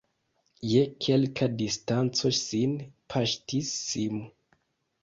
Je kelka distanco sin paŝtis Sim.